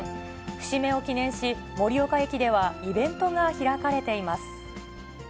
節目を記念し、盛岡駅ではイベントが開かれています。